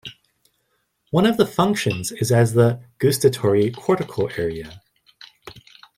One of the functions is as the "gustatory cortical area".